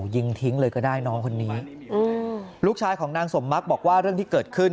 ยิงทิ้งเลยก็ได้น้องคนนี้ลูกชายของนางสมมักบอกว่าเรื่องที่เกิดขึ้น